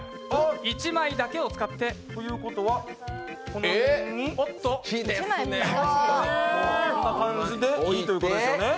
１枚だけを使ってということは、この辺にこんな感じでいいということですよね。